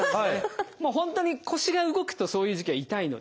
本当に腰が動くとそういう時期は痛いので。